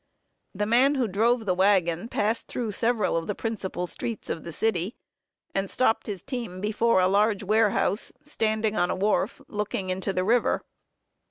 The man who drove the wagon passed through several of the principal streets of the city, and stopped his team before a large warehouse, standing on a wharf, looking into the river.